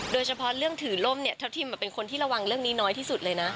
โดยเฉพาะเรื่องถือล่มเนี่ยเจ้าทิมเป็นคนที่ระวังเรื่องนี้น้อยที่สุดเลยนะ